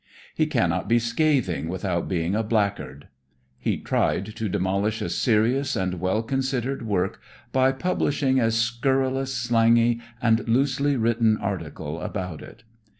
He cannot be scathing without being a blackguard. He tried to demolish a serious and well considered work by publishing a scurrilous, slangy and loosely written article about it.